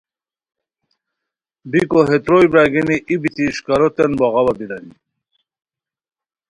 بیکو ہے تروئے برارگینی ای بیتی اݰکاروتین بوغاوا بیرانی